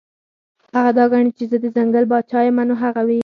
هغه دا ګڼي چې زۀ د ځنګل باچا يمه نو هغه وي -